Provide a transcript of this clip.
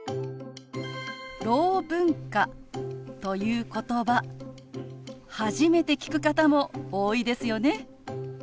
「ろう文化」ということば初めて聞く方も多いですよね。